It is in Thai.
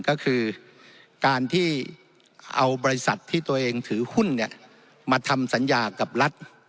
ก็คือการที่เอาบริษัทที่ตัวเองถือหุ้นมาทำสัญญากับรัฐ